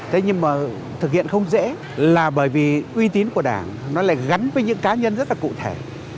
thế nhưng mà thực hiện không dễ là bởi vì uy tín của đảng nó lại gắn với những cá nhân rất là cụ thể